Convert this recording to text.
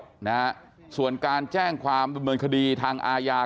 นะฮะส่วนการแจ้งความดำเนินคดีทางอาญา